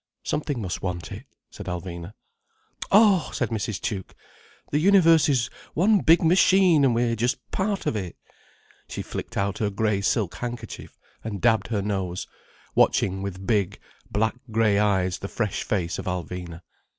"Something must want it," said Alvina. "Oh!" said Mrs. Tuke. "The universe is one big machine, and we're just part of it." She flicked out her grey silk handkerchief, and dabbed her nose, watching with big, black grey eyes the fresh face of Alvina.